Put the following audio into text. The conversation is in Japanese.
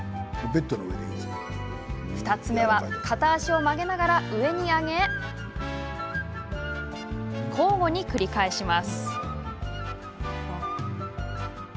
２つ目は片足を曲げながら上に上げ交互に繰り返します。